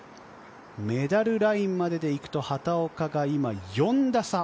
メダルラインまででいくと、畑岡が今、４打差。